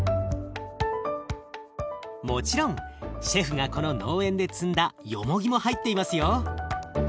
もちろんシェフがこの農園で摘んだよもぎも入っていますよ。